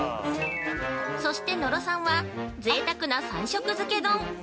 そして、野呂さんは、ぜいたくな３色漬け丼。